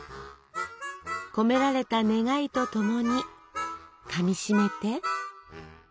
込められた願いと共にかみしめて！